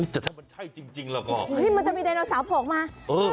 เจอมันใช่จริงแล้วมา